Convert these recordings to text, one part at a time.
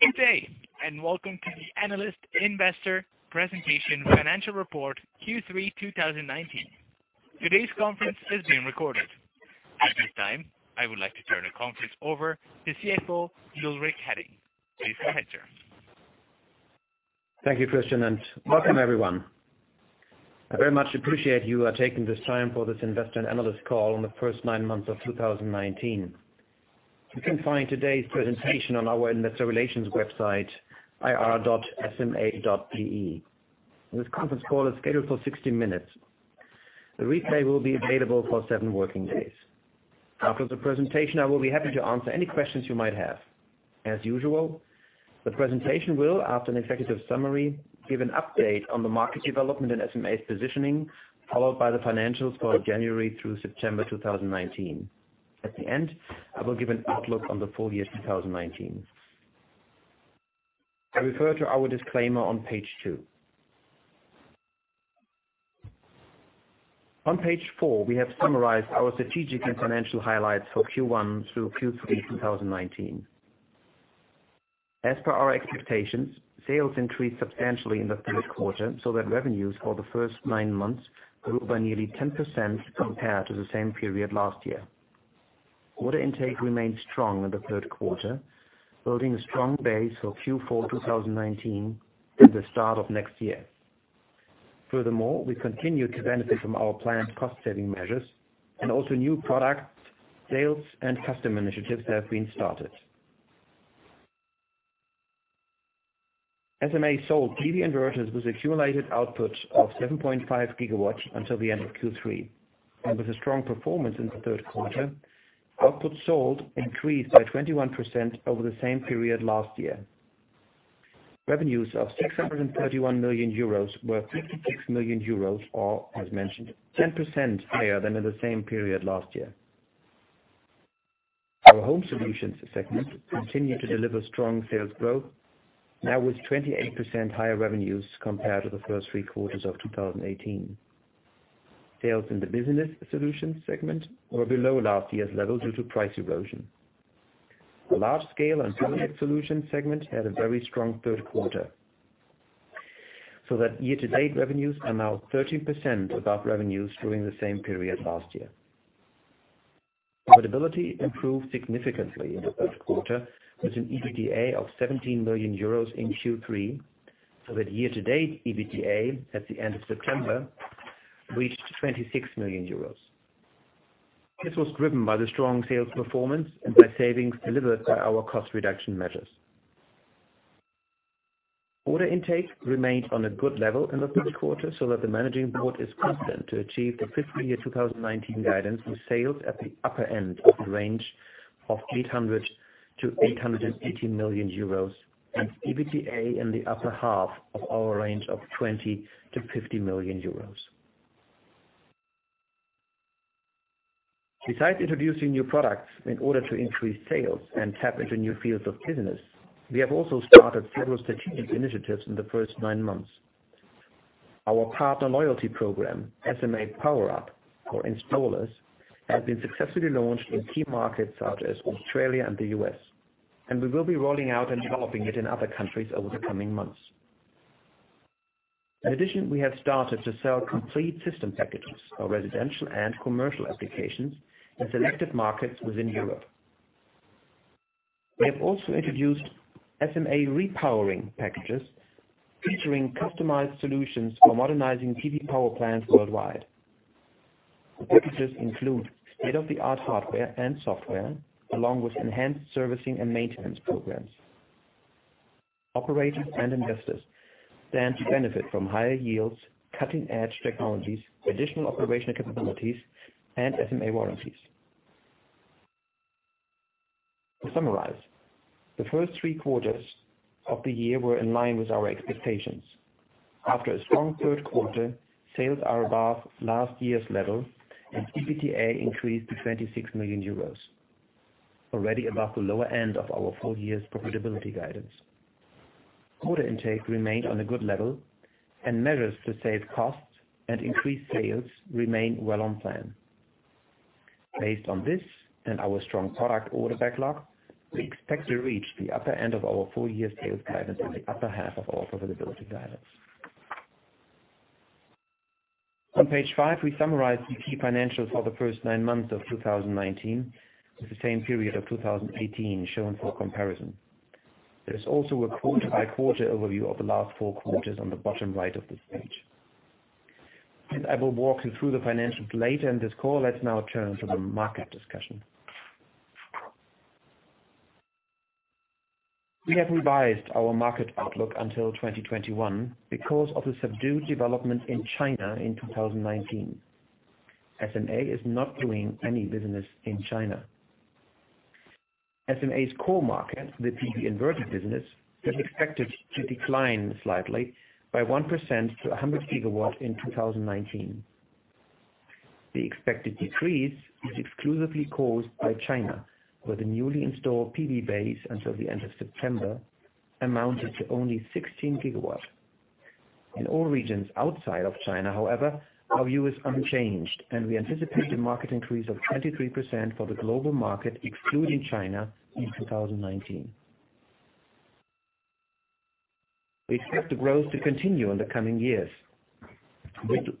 Good day, welcome to the analyst investor presentation financial report Q3 2019. Today's conference is being recorded. At this time, I would like to turn the conference over to CFO Ulrich Hadding. Please go ahead, sir. Thank you, Christian, and welcome everyone. I very much appreciate you are taking this time for this investor and analyst call on the first nine months of 2019. You can find today's presentation on our investor relations website, ir.sma.de. This conference call is scheduled for 60 minutes. The replay will be available for seven working days. After the presentation, I will be happy to answer any questions you might have. As usual, the presentation will, after an executive summary, give an update on the market development and SMA's positioning, followed by the financials for January through September 2019. At the end, I will give an outlook on the full year 2019. I refer to our disclaimer on page two. On page four, we have summarized our strategic and financial highlights for Q1 through Q3 2019. As per our expectations, sales increased substantially in the third quarter, so that revenues for the first nine months grew by nearly 10% compared to the same period last year. Order intake remained strong in the third quarter, building a strong base for Q4 2019 and the start of next year. Furthermore, we continued to benefit from our planned cost-saving measures and also new products, sales, and customer initiatives that have been started. SMA sold PV inverters with accumulated output of 7.5 gigawatts until the end of Q3. With a strong performance in the third quarter, output sold increased by 21% over the same period last year. Revenues of 631 million euros were 56 million euros or, as mentioned, 10% higher than in the same period last year. Our Home Solutions segment continued to deliver strong sales growth, now with 28% higher revenues compared to the first three quarters of 2018. Sales in the Business Solutions segment were below last year's level due to price erosion. The Large Scale and Project Solutions segment had a very strong third quarter, so that year-to-date revenues are now 13% above revenues during the same period last year. Profitability improved significantly in the third quarter, with an EBITDA of 17 million euros in Q3, so that year-to-date EBITDA at the end of September reached 26 million euros. This was driven by the strong sales performance and by savings delivered by our cost reduction measures. Order intake remained on a good level in the third quarter so that the managing board is confident to achieve the fiscal year 2019 guidance with sales at the upper end of the range of 800 million-880 million euros and EBITDA in the upper half of our range of 20 million-50 million euros. Besides introducing new products in order to increase sales and tap into new fields of business, we have also started several strategic initiatives in the first 9 months. Our partner loyalty program, SMA PowerUP for Installers, has been successfully launched in key markets such as Australia and the U.S., and we will be rolling out and developing it in other countries over the coming months. We have started to sell complete system packages for residential and commercial applications in selected markets within Europe. We have also introduced SMA Repowering packages featuring customized solutions for modernizing PV power plants worldwide. The packages include state-of-the-art hardware and software, along with enhanced servicing and maintenance programs. Operators and investors stand to benefit from higher yields, cutting-edge technologies, additional operational capabilities, and SMA warranties. The first 3 quarters of the year were in line with our expectations. After a strong third quarter, sales are above last year's level, and EBITDA increased to €26 million, already above the lower end of our full year's profitability guidance. Order intake remained on a good level, and measures to save costs and increase sales remain well on plan. Based on this and our strong product order backlog, we expect to reach the upper end of our full year sales guidance and the upper half of our profitability guidance. On page five, we summarize the key financials for the first nine months of 2019, with the same period of 2018 shown for comparison. There is also a quarter-by-quarter overview of the last four quarters on the bottom right of this page. I will walk you through the financials later in this call. Let's now turn to the market discussion. We have revised our market outlook until 2021 because of the subdued development in China in 2019. SMA is not doing any business in China. SMA's core market, the PV inverter business, is expected to decline slightly by 1% to 100 gigawatts in 2019. The expected decrease is exclusively caused by China, where the newly installed PV base until the end of September amounted to only 16 gigawatts. In all regions outside of China, however, our view is unchanged, and we anticipate a market increase of 23% for the global market excluding China in 2019. We expect the growth to continue in the coming years.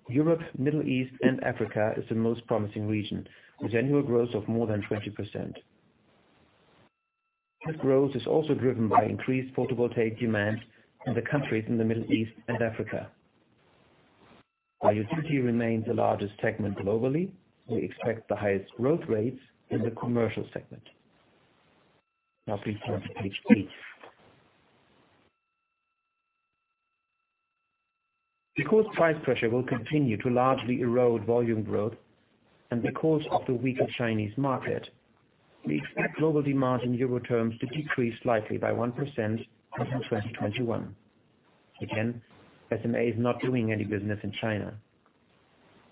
Europe, Middle East and Africa is the most promising region, with annual growth of more than 20%. That growth is also driven by increased photovoltaic demand in the countries in the Middle East and Africa. While utility remains the largest segment globally, we expect the highest growth rates in the commercial segment. Now please turn to page eight. Because price pressure will continue to largely erode volume growth and because of the weaker Chinese market, we expect global demand in EUR terms to decrease slightly by 1% until 2021. Again, SMA is not doing any business in China.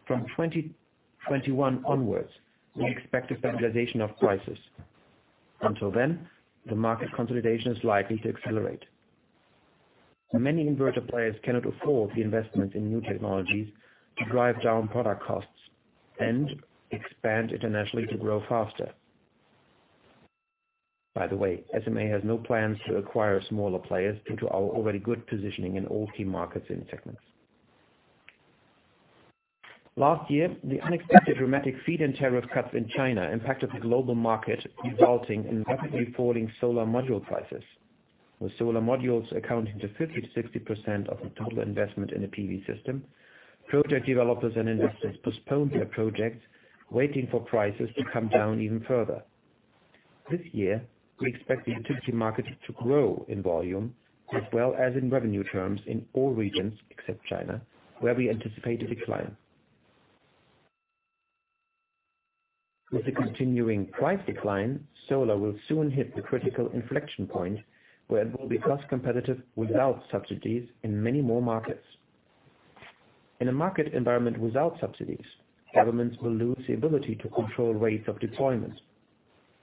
From 2021 onwards, we expect a stabilization of prices. Until then, the market consolidation is likely to accelerate. Many inverter players cannot afford the investment in new technologies to drive down product costs and expand internationally to grow faster. By the way, SMA has no plans to acquire smaller players due to our already good positioning in all key markets and segments. Last year, the unexpected dramatic feed-in tariff cuts in China impacted the global market, resulting in rapidly falling solar module prices. With solar modules accounting to 50%-60% of the total investment in a PV system, project developers and investors postponed their projects, waiting for prices to come down even further. This year, we expect the utility market to grow in volume as well as in revenue terms in all regions except China, where we anticipate a decline. With the continuing price decline, solar will soon hit the critical inflection point where it will be cost competitive without subsidies in many more markets. In a market environment without subsidies, governments will lose the ability to control rates of deployment.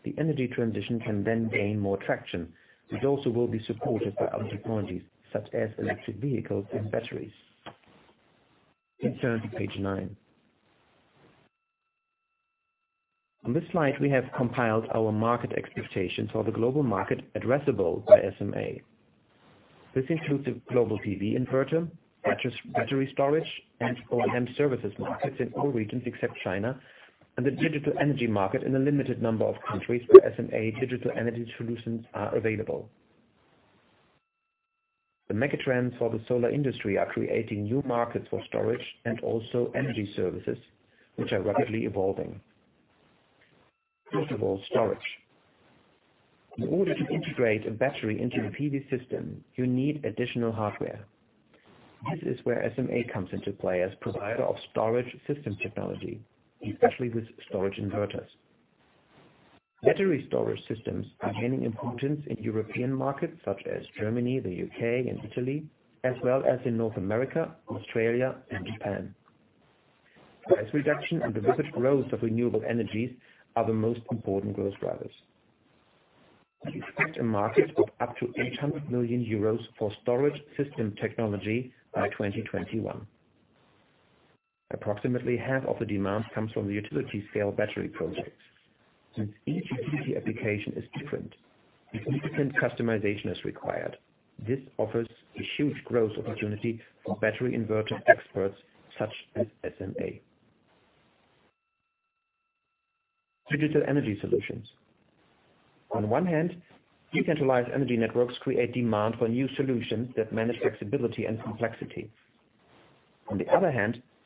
The energy transition can then gain more traction, which also will be supported by other technologies such as electric vehicles and batteries. Please turn to page nine. On this slide, we have compiled our market expectations for the global market addressable by SMA. This includes the global PV inverter, battery storage, and O&M services markets in all regions except China, and the Digital Energy market in a limited number of countries where SMA Digital Energy solutions are available. The megatrends for the solar industry are creating new markets for storage and also energy services, which are rapidly evolving. First of all, storage. In order to integrate a battery into the PV system, you need additional hardware. This is where SMA comes into play as provider of storage system technology, especially with storage inverters. Battery storage systems are gaining importance in European markets such as Germany, the U.K. and Italy, as well as in North America, Australia and Japan. Price reduction and the rapid growth of renewable energies are the most important growth drivers. We expect a market of up to 800 million euros for storage system technology by 2021. Approximately half of the demand comes from the utility-scale battery projects. Since each utility application is different, significant customization is required. This offers a huge growth opportunity for battery inverter experts such as SMA. Digital Energy Solutions. Decentralized energy networks create demand for new solutions that manage flexibility and complexity.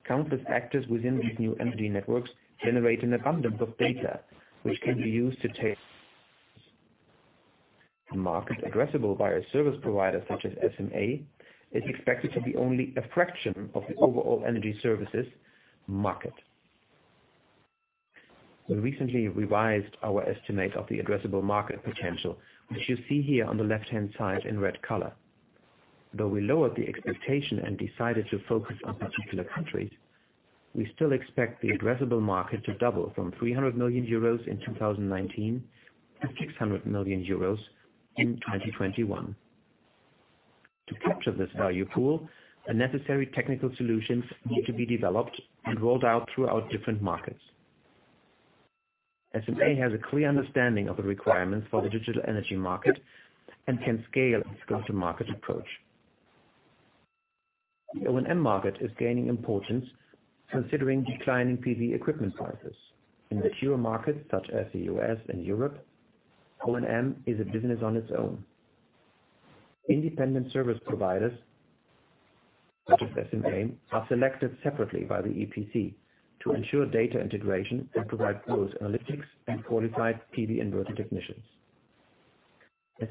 Countless actors within these new energy networks generate an abundance of data which can be used. The market addressable by a service provider such as SMA is expected to be only a fraction of the overall energy services market. We recently revised our estimate of the addressable market potential, which you see here on the left-hand side in red color. Though we lowered the expectation and decided to focus on particular countries, we still expect the addressable market to double from 300 million euros in 2019 to 600 million euros in 2021. To capture this value pool, the necessary technical solutions need to be developed and rolled out throughout different markets. SMA has a clear understanding of the requirements for the Digital Energy market and can scale its go-to-market approach. The O&M market is gaining importance considering declining PV equipment prices. In mature markets such as the U.S. and Europe, O&M is a business on its own. Independent service providers such as SMA are selected separately by the EPC to ensure data integration and provide robust analytics and qualified PV inverter technicians.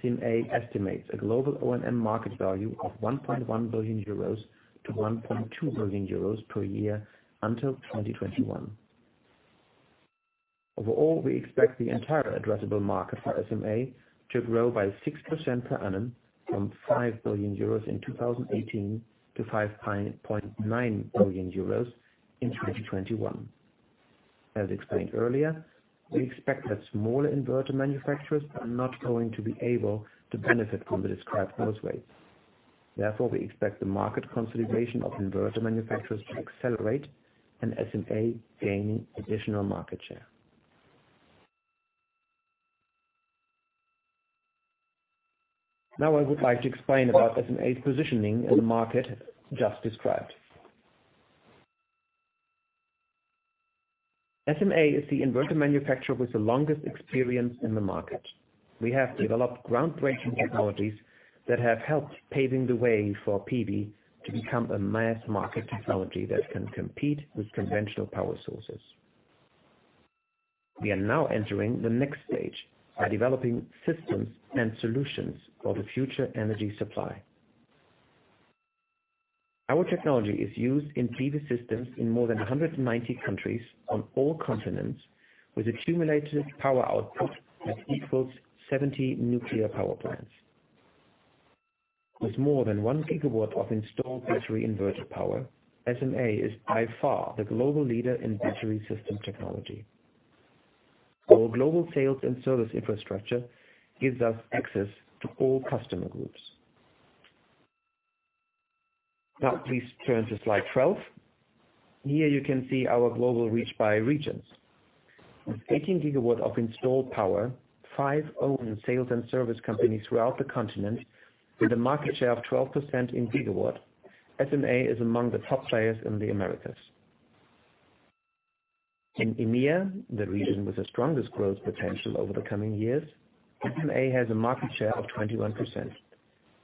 SMA estimates a global O&M market value of 1.1 billion-1.2 billion euros per year until 2021. Overall, we expect the entire addressable market for SMA to grow by 6% per annum from 5 billion euros in 2018 to 5.9 billion euros in 2021. As explained earlier, we expect that smaller inverter manufacturers are not going to be able to benefit from the described growth rates. Therefore, we expect the market consolidation of inverter manufacturers to accelerate and SMA gaining additional market share. Now I would like to explain about SMA's positioning in the market just described. SMA is the inverter manufacturer with the longest experience in the market. We have developed groundbreaking technologies that have helped paving the way for PV to become a mass market technology that can compete with conventional power sources. We are now entering the next stage by developing systems and solutions for the future energy supply. Our technology is used in PV systems in more than 190 countries on all continents, with accumulated power output that equals 70 nuclear power plants. With more than one gigawatt of installed battery inverter power, SMA is by far the global leader in battery system technology. Our global sales and service infrastructure gives us access to all customer groups. Please turn to slide 12. Here you can see our global reach by regions. With 18 gigawatts of installed power, five owned sales and service companies throughout the continent, with a market share of 12% in gigawatt, SMA is among the top players in the Americas. In EMEA, the region with the strongest growth potential over the coming years, SMA has a market share of 21%,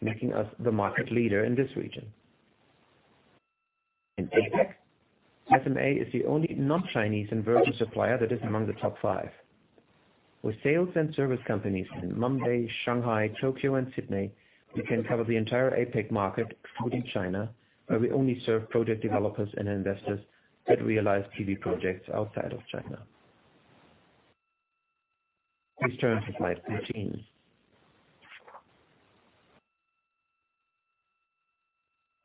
making us the market leader in this region. In APAC, SMA is the only non-Chinese inverter supplier that is among the top five. With sales and service companies in Mumbai, Shanghai, Tokyo and Sydney, we can cover the entire APAC market excluding China, where we only serve project developers and investors that realize PV projects outside of China. Please turn to slide 13.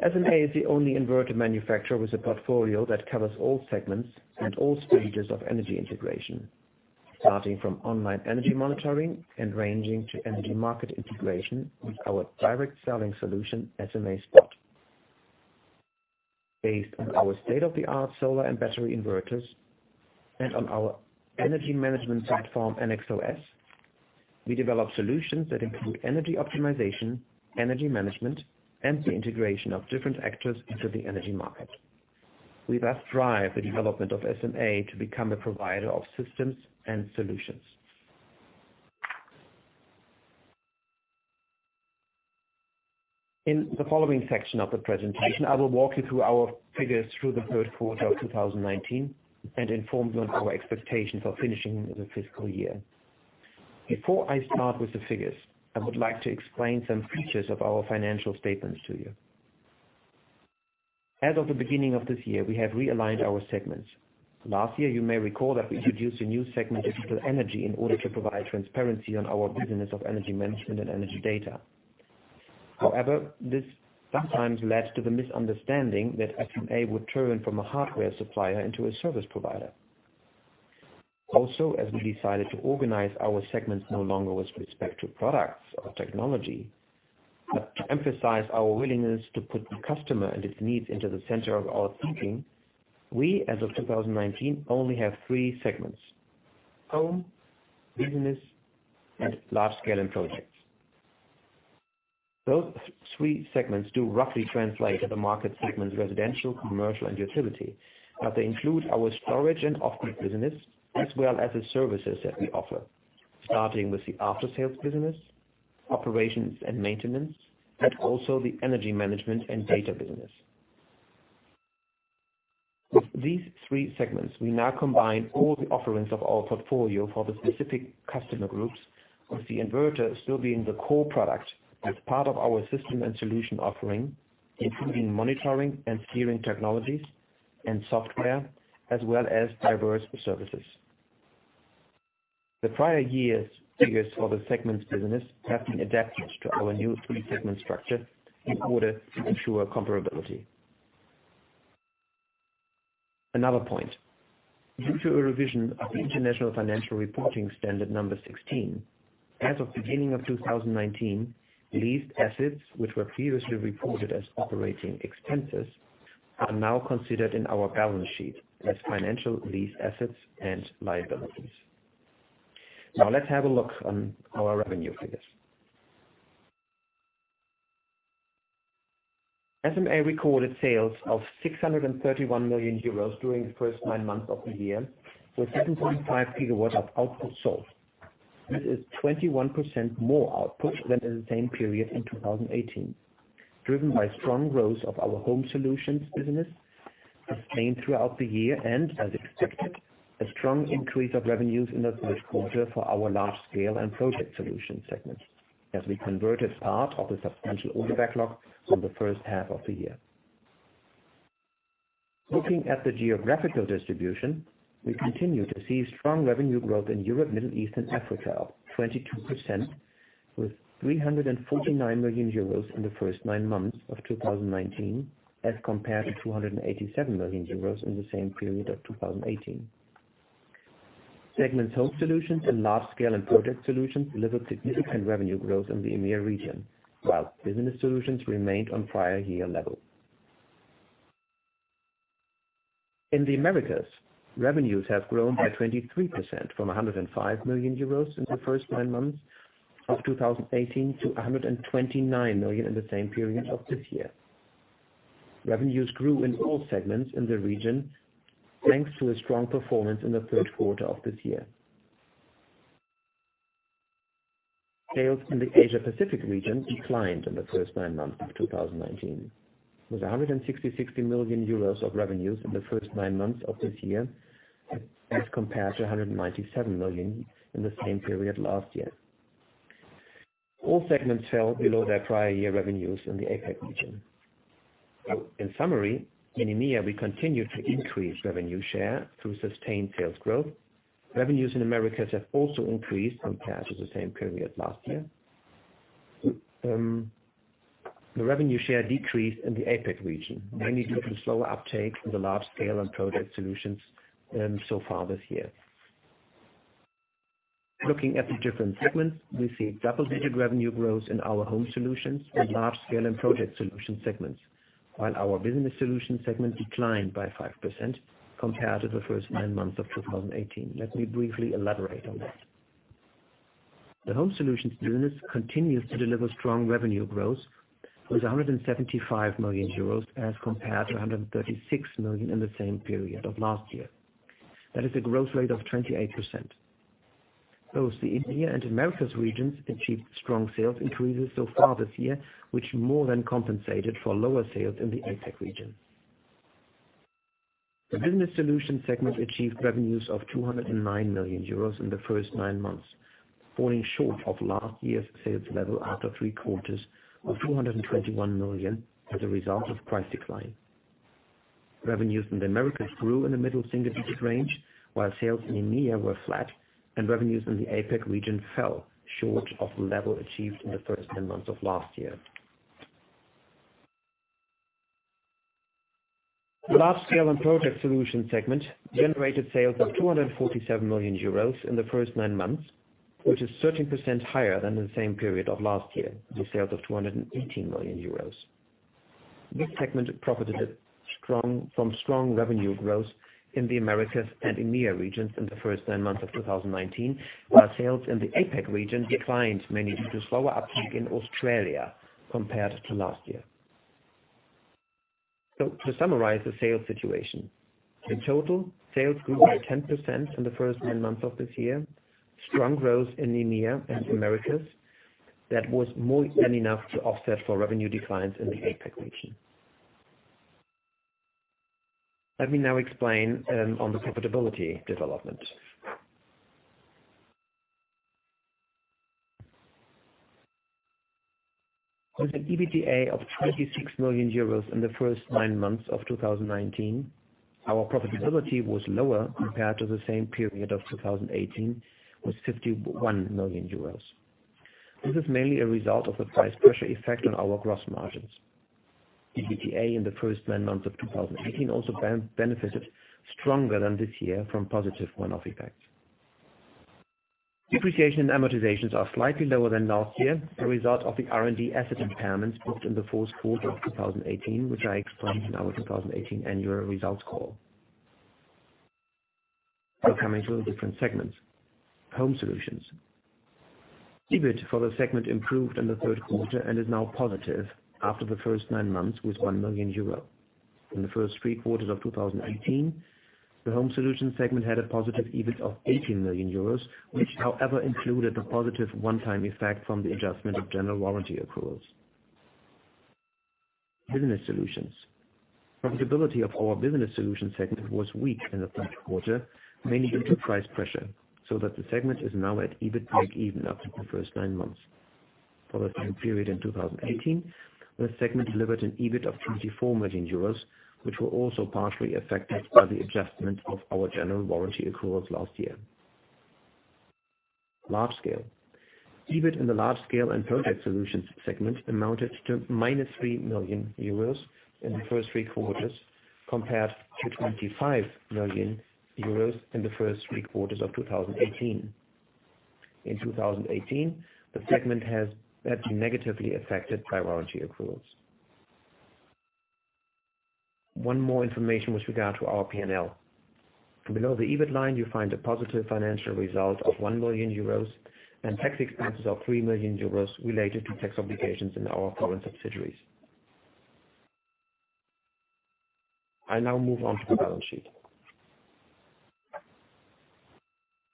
SMA is the only inverter manufacturer with a portfolio that covers all segments and all stages of energy integration, starting from online energy monitoring and ranging to energy market integration with our direct selling solution, SMA SPOT. Based on our state-of-the-art solar and battery inverters and on our energy management platform, ennexOS, we develop solutions that include energy optimization, energy management, and the integration of different actors into the energy market. We thus drive the development of SMA to become a provider of systems and solutions. In the following section of the presentation, I will walk you through our figures through the third quarter of 2019 and inform you on our expectations for finishing the fiscal year. Before I start with the figures, I would like to explain some features of our financial statements to you. As of the beginning of this year, we have realigned our segments. Last year, you may recall that we introduced a new segment, Digital Energy, in order to provide transparency on our business of energy management and energy data. However, this sometimes led to the misunderstanding that SMA would turn from a hardware supplier into a service provider. Also, as we decided to organize our segments no longer with respect to products or technology, but to emphasize our willingness to put the customer and its needs into the center of our thinking, we, as of 2019, only have three segments. Home, Business, and Large Scale and Project Solutions. Those three segments do roughly translate the market segments residential, commercial, and utility, but they include our storage and off-grid business as well as the services that we offer. Starting with the after sales business, operations and maintenance, and also the energy management and data business. With these three segments, we now combine all the offerings of our portfolio for the specific customer groups with the inverter still being the core product as part of our system and solution offering, including monitoring and steering technologies and software, as well as diverse services. The prior years' figures for the segments business have been adapted to our new three-segment structure in order to ensure comparability. Another point, due to a revision of the International Financial Reporting Standard 16, as of beginning of 2019, leased assets which were previously reported as operating expenses are now considered in our balance sheet as financial leased assets and liabilities. Let's have a look on our revenue figures. SMA recorded sales of 631 million euros during the first nine months of the year, with 7.5 gigawatts of output sold. This is 21% more output than in the same period in 2018, driven by strong growth of our Home Solutions business, sustained throughout the year and, as expected, a strong increase of revenues in the third quarter for our Large Scale and Project Solutions segments, as we converted part of the substantial order backlog from the first half of the year. Looking at the geographical distribution, we continue to see strong revenue growth in Europe, Middle East and Africa of 22%. With 349 million euros in the first nine months of 2019 as compared to 287 million euros in the same period of 2018. Segments Home Solutions and Large Scale and Project Solutions delivered significant revenue growth in the EMEA region, while Business Solutions remained on prior year level. In the Americas, revenues have grown by 23%, from 105 million euros in the first nine months of 2018 to 129 million in the same period of this year. Revenues grew in all segments in the region, thanks to a strong performance in the third quarter of this year. Sales in the Asia-Pacific region declined in the first nine months of 2019, with 166 million euros of revenues in the first nine months of this year as compared to 197 million in the same period last year. All segments fell below their prior year revenues in the APAC region. In summary, in EMEA, we continued to increase revenue share through sustained sales growth. Revenues in Americas have also increased compared to the same period last year. The revenue share decreased in the APAC region, mainly due to slower uptake in the Large Scale and Project Solutions so far this year. Looking at the different segments, we see double-digit revenue growth in our Home Solutions and Large Scale and Project Solutions segments, while our Business Solutions segment declined by 5% compared to the first nine months of 2018. Let me briefly elaborate on that. The Home Solutions continues to deliver strong revenue growth with 175 million euros as compared to 136 million in the same period of last year. That is a growth rate of 28%. Both the EMEA and Americas regions achieved strong sales increases so far this year, which more than compensated for lower sales in the APAC region. The Business Solutions achieved revenues of 209 million euros in the first nine months, falling short of last year's sales level after three quarters of 221 million as a result of price decline. Revenues in the Americas grew in the middle single-digit range, while sales in EMEA were flat and revenues in the APAC region fell short of the level achieved in the first 10 months of last year. Large Scale and Project Solutions segment generated sales of 247 million euros in the first nine months, which is 13% higher than the same period of last year, with sales of 218 million euros. This segment profited from strong revenue growth in the Americas and EMEA regions in the first nine months of 2019, while sales in the APAC region declined, mainly due to slower uptake in Australia compared to last year. To summarize the sales situation, in total, sales grew by 10% in the first nine months of this year. Strong growth in EMEA and Americas that was more than enough to offset for revenue declines in the APAC region. Let me now explain on the profitability development. With an EBITDA of 26 million euros in the first nine months of 2019, our profitability was lower compared to the same period of 2018, with 51 million euros. This is mainly a result of the price pressure effect on our gross margins. EBITDA in the first nine months of 2018 also benefited stronger than this year from positive one-off effects. Depreciation and amortizations are slightly lower than last year, a result of the R&D asset impairments booked in the fourth quarter of 2018, which I explained in our 2018 annual results call. Now coming to the different segments. Home Solutions. EBIT for the segment improved in the third quarter and is now positive after the first nine months with 1 million euro. In the first three quarters of 2018, the Home Solutions segment had a positive EBIT of 18 million euros, which, however, included a positive one-time effect from the adjustment of general warranty accruals. Business Solutions. Profitability of our Business Solutions segment was weak in the third quarter, mainly due to price pressure, so that the segment is now at EBIT break-even after the first nine months. For the same period in 2018, the segment delivered an EBIT of 24 million euros, which were also partially affected by the adjustment of our general warranty accruals last year. Large Scale. EBIT in the Large Scale and Project Solutions segment amounted to minus 3 million euros in the first three quarters, compared to 25 million euros in the first three quarters of 2018. In 2018, the segment had been negatively affected by warranty accruals. One more information with regard to our P&L. Below the EBIT line, you find a positive financial result of 1 million euros and tax expenses of 3 million euros related to tax obligations in our foreign subsidiaries. I now move on to the balance sheet.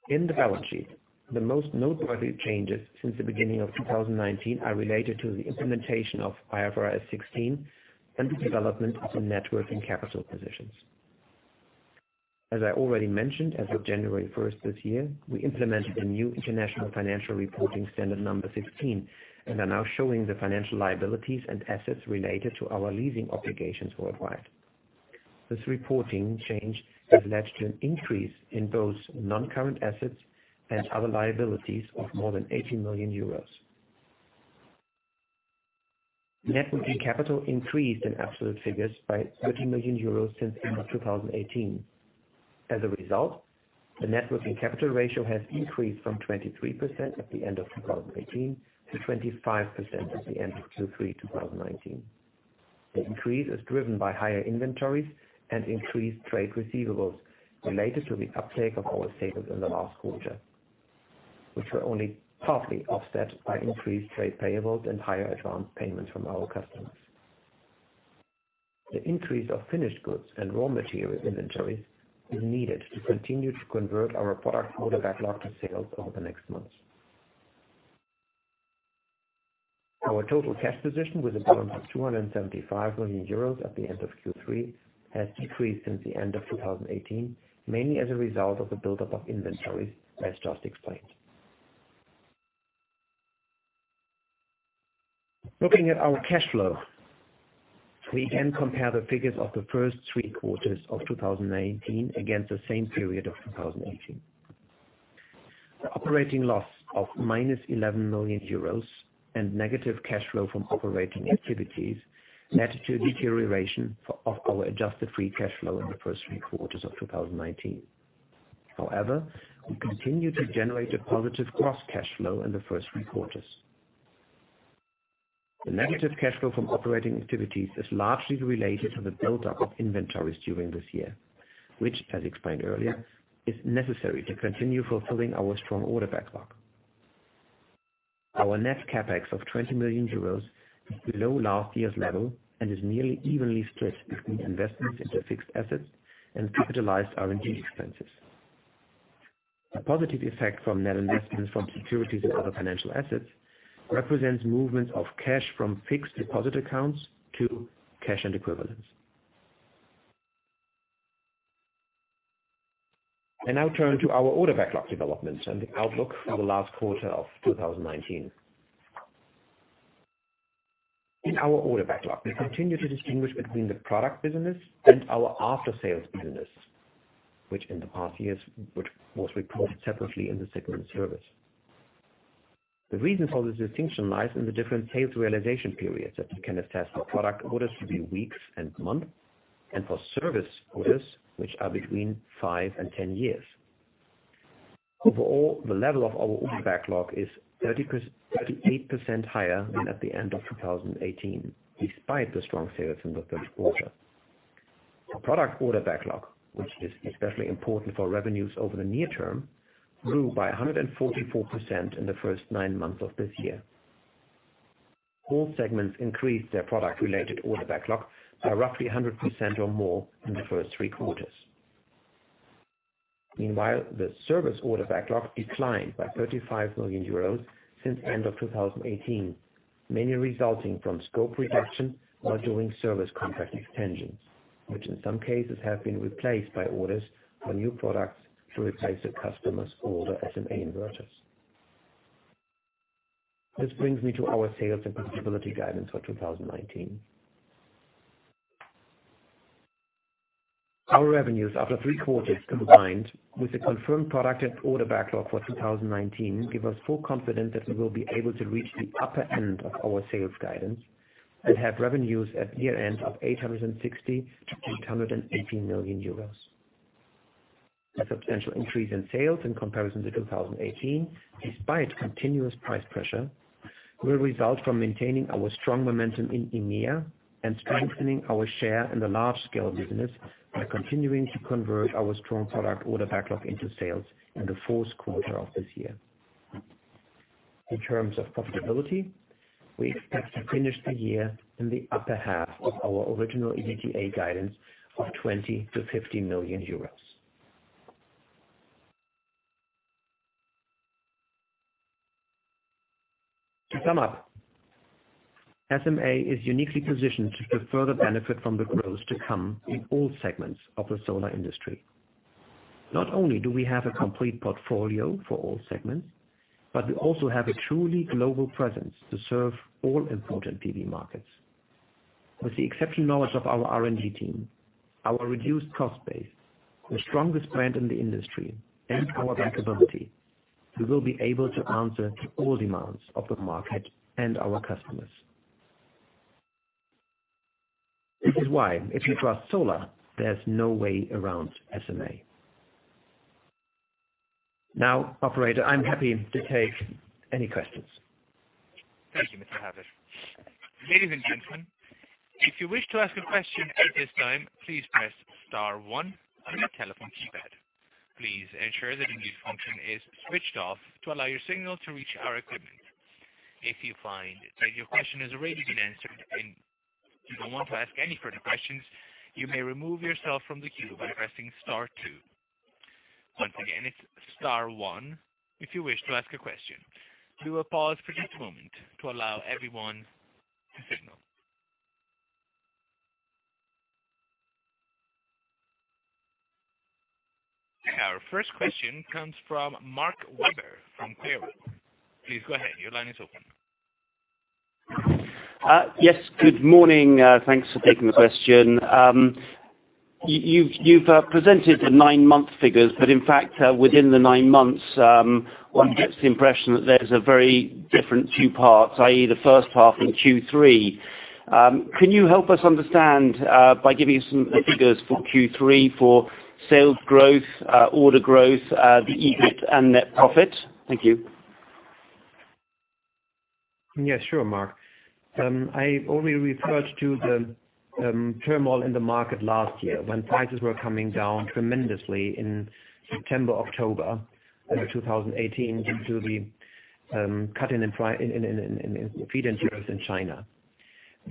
In the balance sheet, the most noteworthy changes since the beginning of 2019 are related to the implementation of IFRS 16 and the development in net working capital positions. As I already mentioned, as of January 1st this year, we implemented the new International Financial Reporting Standard number 16 and are now showing the financial liabilities and assets related to our leasing obligations worldwide. This reporting change has led to an increase in both non-current assets and other liabilities of more than 80 million euros. Net working capital increased in absolute figures by 30 million euros since end of 2018. As a result, the net working capital ratio has increased from 23% at the end of 2018 to 25% at the end of Q3 2019. The increase is driven by higher inventories and increased trade receivables related to the uptake of our sales in the last quarter, which were only partly offset by increased trade payables and higher advance payments from our customers. The increase of finished goods and raw material inventories is needed to continue to convert our product order backlog to sales over the next months. Our total cash position with a balance of 275 million euros at the end of Q3 has decreased since the end of 2018, mainly as a result of the buildup of inventories, as just explained. Looking at our cash flow, we again compare the figures of the first three quarters of 2019 against the same period of 2018. The operating loss of minus 11 million euros and negative cash flow from operating activities led to a deterioration of our adjusted free cash flow in the first three quarters of 2019. However, we continue to generate a positive gross cash flow in the first three quarters. The negative cash flow from operating activities is largely related to the buildup of inventories during this year, which, as explained earlier, is necessary to continue fulfilling our strong order backlog. Our net CapEx of 20 million euros is below last year's level and is nearly evenly split between investments into fixed assets and capitalized R&D expenses. The positive effect from net investments from securities and other financial assets represents movement of cash from fixed deposit accounts to cash and equivalents. I now turn to our order backlog development and outlook for the last quarter of 2019. In our order backlog, we continue to distinguish between the product business and our after-sales business, which in the past years was reported separately in the segment service. The reason for this distinction lies in the different sales realization periods that we can attest for product orders to be weeks and months, and for service orders, which are between 5 and 10 years. Overall, the level of our order backlog is 38% higher than at the end of 2018, despite the strong sales in the third quarter. The product order backlog, which is especially important for revenues over the near term, grew by 144% in the first nine months of this year. All segments increased their product-related order backlog by roughly 100% or more in the first three quarters. Meanwhile, the service order backlog declined by 35 million euros since end of 2018, mainly resulting from scope reduction or during service contract extensions, which in some cases have been replaced by orders for new products to replace the customer's older SMA inverters. This brings me to our sales and profitability guidance for 2019. Our revenues after three quarters, combined with the confirmed product and order backlog for 2019, give us full confidence that we will be able to reach the upper end of our sales guidance and have revenues at year-end of 860 million-880 million euros. The substantial increase in sales in comparison to 2018, despite continuous price pressure, will result from maintaining our strong momentum in EMEA and strengthening our share in the large-scale business by continuing to convert our strong product order backlog into sales in the fourth quarter of this year. In terms of profitability, we expect to finish the year in the upper half of our original EBITDA guidance of EUR 20 million-EUR 50 million. To sum up, SMA is uniquely positioned to further benefit from the growth to come in all segments of the solar industry. Not only do we have a complete portfolio for all segments, but we also have a truly global presence to serve all important PV markets. With the exceptional knowledge of our R&D team, our reduced cost base, the strongest brand in the industry, and our profitability, we will be able to answer to all demands of the market and our customers. This is why, if you trust solar, there's no way around SMA. Now, operator, I'm happy to take any questions. Thank you, Mr. Hadding. Ladies and gentlemen, if you wish to ask a question at this time, please press star one on your telephone keypad. Please ensure that your mute function is switched off to allow your signal to reach our equipment. If you find that your question has already been answered and you don't want to ask any further questions, you may remove yourself from the queue by pressing star two. Once again, it's star one if you wish to ask a question. We will pause for just a moment to allow everyone to signal. Our first question comes from Mark Webber from Clarewood. Please go ahead. Your line is open. Yes. Good morning. Thanks for taking the question. You've presented the nine-month figures, in fact, within the nine months, one gets the impression that there's a very different two parts, i.e., the first half and Q3. Can you help us understand by giving some figures for Q3 for sales growth, order growth, the EBIT and net profit? Thank you. Yes, sure, Mark. I only referred to the turmoil in the market last year when prices were coming down tremendously in September, October of 2018 due to the cutting in feed-in tariffs in China.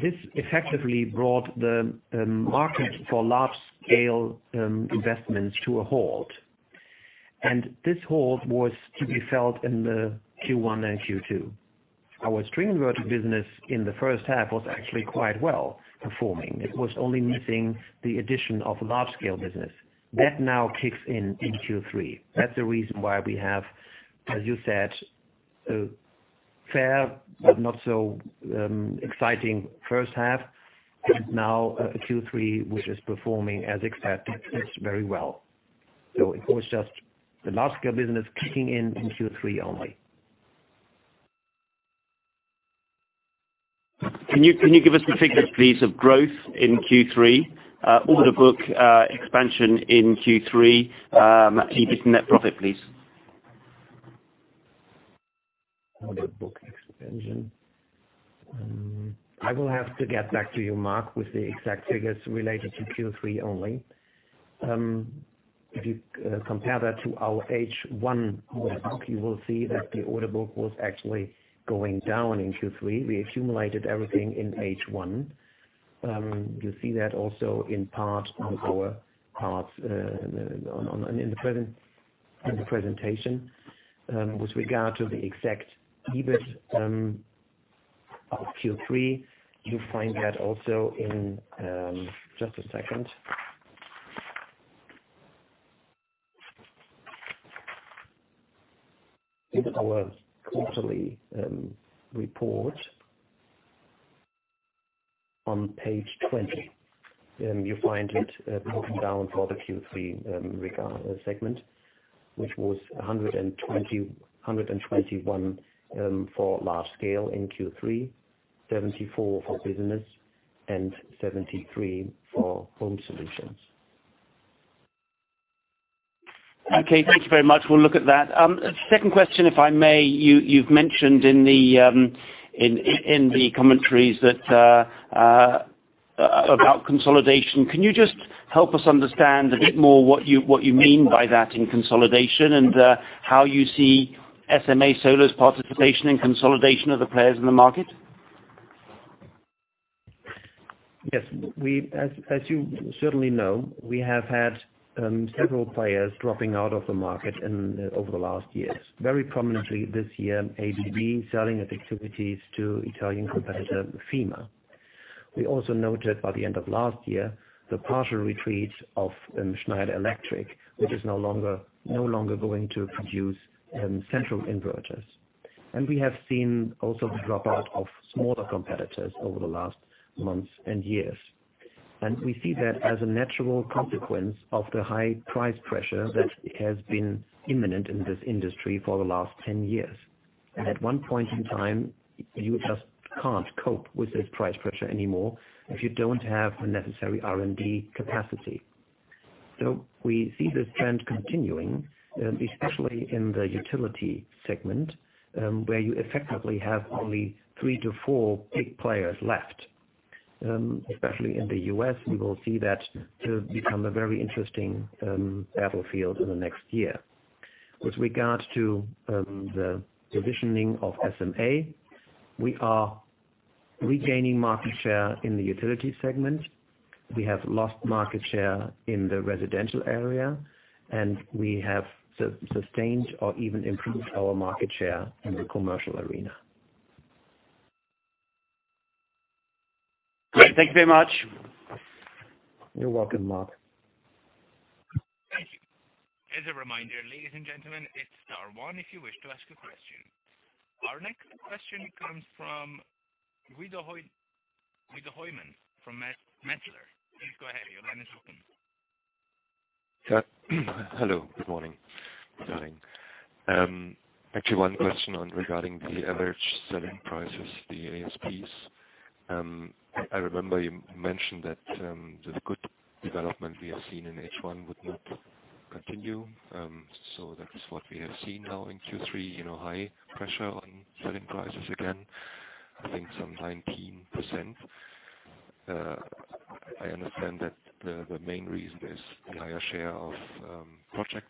This effectively brought the market for large-scale investments to a halt, and this halt was to be felt in the Q1 and Q2. Our string inverter business in the first half was actually quite well-performing. It was only missing the addition of large-scale business. That now kicks in in Q3. That's the reason why we have, as you said, a fair but not so exciting first half, and now a Q3, which is performing as expected. It's very well. It was just the large-scale business kicking in in Q3 only. Can you give us the figures, please, of growth in Q3, order book expansion in Q3, EBIT and net profit, please? Order book expansion. I will have to get back to you, Mark, with the exact figures related to Q3 only. If you compare that to our H1 web, you will see that the order book was actually going down in Q3. We accumulated everything in H1. You see that also in part on our charts in the presentation. With regard to the exact EBIT of Q3, you find that also in, just a second, in our quarterly report on page 20. You find it broken down for the Q3 segment, which was 121 for Large Scale in Q3, 74 for Business, and 73 for Home Solutions. Okay. Thank you very much. We'll look at that. Second question, if I may. You've mentioned in the commentaries about consolidation. Can you just help us understand a bit more what you mean by that in consolidation and how you see SMA Solar's participation in consolidation of the players in the market? Yes. As you certainly know, we have had several players dropping out of the market over the last years. Very prominently this year, ABB selling its activities to Italian competitor, FIMER. We also noted by the end of last year the partial retreat of Schneider Electric, which is no longer going to produce central inverters. We have seen also the dropout of smaller competitors over the last months and years. We see that as a natural consequence of the high price pressure that has been imminent in this industry for the last 10 years. At one point in time, you just can't cope with this price pressure anymore if you don't have the necessary R&D capacity. We see this trend continuing, especially in the utility segment, where you effectively have only three to four big players left. Especially in the U.S., we will see that become a very interesting battlefield in the next year. With regard to the positioning of SMA, we are regaining market share in the utility segment. We have lost market share in the residential area, and we have sustained or even improved our market share in the commercial arena. Great. Thank you very much. You're welcome, Mark. Thank you. As a reminder, ladies and gentlemen, it's star one if you wish to ask a question. Our next question comes from Guido Hoymann from Metzler. Please go ahead. Your line is open. Hello. Good morning. Actually, one question regarding the average selling prices, the ASPs. I remember you mentioned that the good development we have seen in H1 would not continue. That is what we have seen now in Q3, high pressure on selling prices again, I think some 19%. I understand that the main reason is the higher share of project,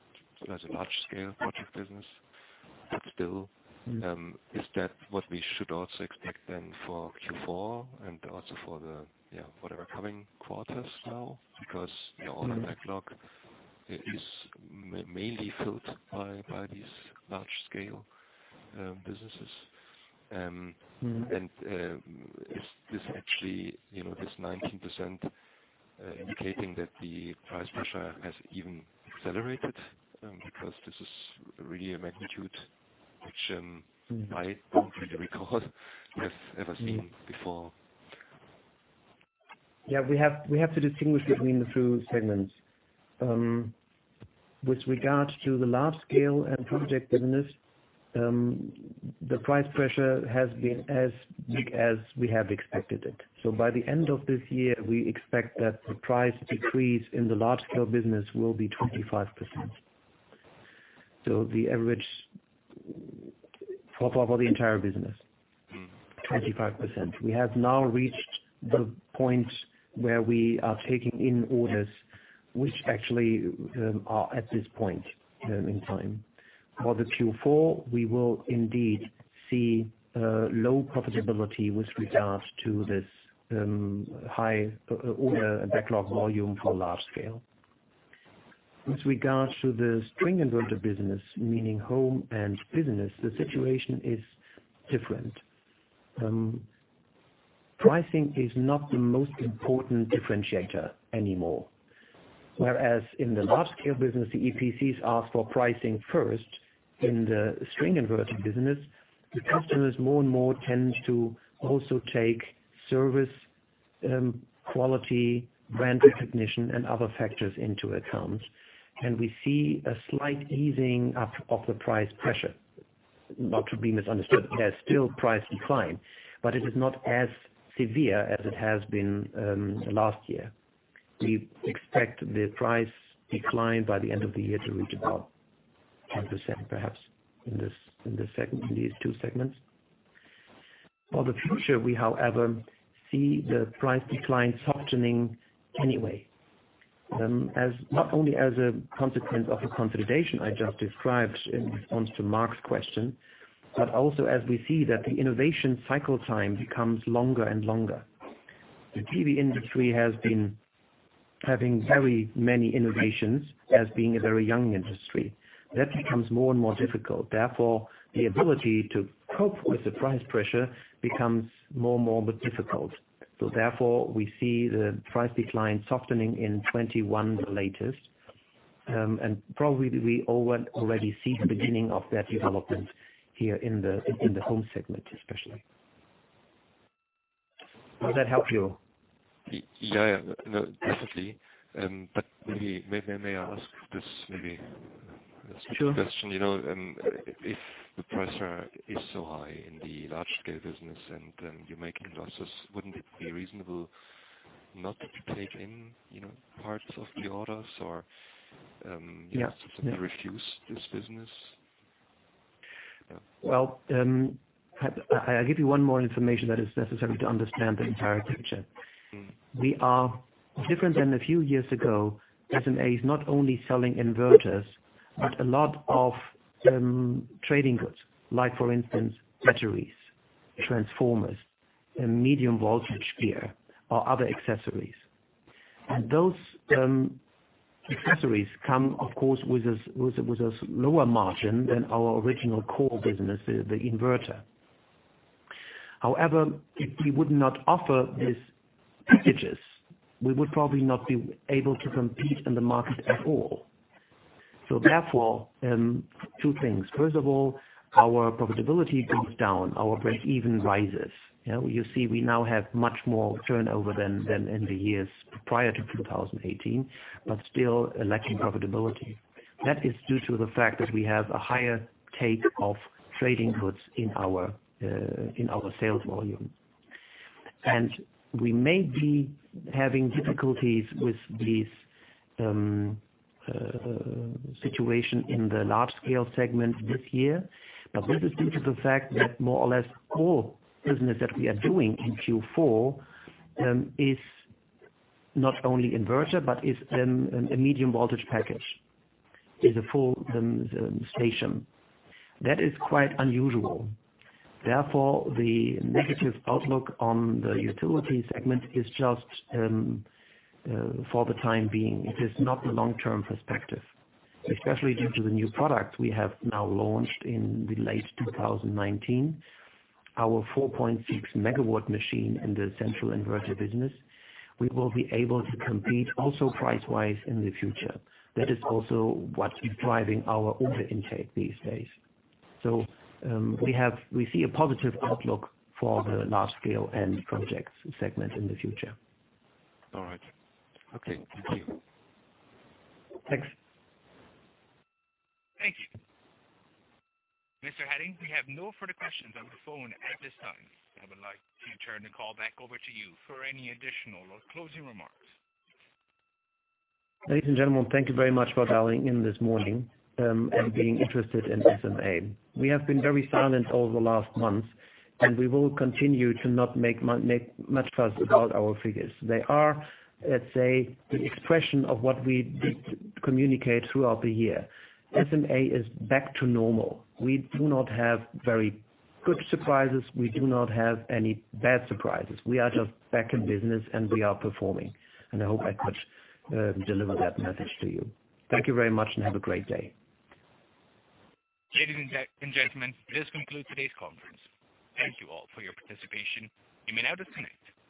large-scale project business. Is that what we should also expect then for Q4 and also for the whatever coming quarters now? Because your order backlog is mainly filled by these large-scale businesses. Is this actually, this 19%, indicating that the price pressure has even accelerated? Because this is really a magnitude which I don't really recall have ever seen before. Yeah. We have to distinguish between the two segments. With regard to the Large Scale and Project business, the price pressure has been as big as we have expected it. By the end of this year, we expect that the price decrease in the Large Scale business will be 25%. The average for the entire business. 25%. We have now reached the point where we are taking in orders, which actually are at this point in time. For the Q4, we will indeed see low profitability with regards to this high order and backlog volume for large-scale. With regards to the string inverter business, meaning Home and Business, the situation is different. Pricing is not the most important differentiator anymore. Whereas in the large-scale business, the EPCs ask for pricing first, in the string inverter business, the customers more and more tend to also take service, quality, brand recognition, and other factors into account. We see a slight easing of the price pressure. Not to be misunderstood, there's still price decline, but it is not as severe as it has been last year. We expect the price decline by the end of the year to reach about 10%, perhaps, in these two segments. For the future, we however see the price decline softening anyway. Not only as a consequence of the consolidation I just described in response to Mark's question, but also as we see that the innovation cycle time becomes longer and longer. The PV industry has been having very many innovations, as being a very young industry. That becomes more and more difficult. The ability to cope with the price pressure becomes more and more difficult. We see the price decline softening in 2021 the latest. Probably we already see the beginning of that development here in the home segment, especially. Does that help you? Yeah. Definitely. May I ask this? Sure Stupid question. If the pressure is so high in the large-scale business and you're making losses, wouldn't it be reasonable not to take in parts of the orders? Yeah to refuse this business? Yeah. Well, I'll give you one more information that is necessary to understand the entire picture. We are different than a few years ago. SMA is not only selling inverters, but a lot of trading goods, like for instance, batteries, transformers, medium voltage gear, or other accessories. Those accessories come, of course, with a lower margin than our original core business, the inverter. However, if we would not offer these packages, we would probably not be able to compete in the market at all. Therefore, two things. First of all, our profitability goes down, our break even rises. You see, we now have much more turnover than in the years prior to 2018, still lacking profitability. That is due to the fact that we have a higher take of trading goods in our sales volume. We may be having difficulties with this situation in the Large Scale and Project Solutions segment this year, but this is due to the fact that more or less all business that we are doing in Q4 is not only inverter, but is a medium voltage package, a full station. That is quite unusual. Therefore, the negative outlook on the utility segment is just for the time being. It is not a long-term perspective. Especially due to the new product we have now launched in late 2019, our Sunny Central UP in the central inverter business. We will be able to compete also price-wise in the future. That is also what is driving our order intake these days. We see a positive outlook for the Large Scale and Project Solutions segment in the future. All right. Okay. Thank you. Thanks. Thank you. Mr. Hadding, we have no further questions on the phone at this time. I would like to turn the call back over to you for any additional or closing remarks. Ladies and gentlemen, thank you very much for dialing in this morning and being interested in SMA. We have been very silent over the last months, and we will continue to not make much fuss about our figures. They are, let's say, the expression of what we did communicate throughout the year. SMA is back to normal. We do not have very good surprises. We do not have any bad surprises. We are just back in business and we are performing, and I hope I could deliver that message to you. Thank you very much and have a great day. Ladies and gentlemen, this concludes today's conference. Thank you all for your participation. You may now disconnect.